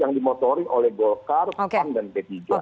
yang dimotori oleh golkar pan dan p tiga